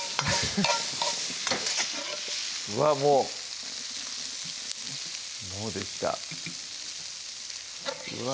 わっもうもうできたうわ